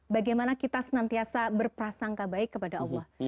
bagaimana kita senantiasa berprasangka baik kepada allah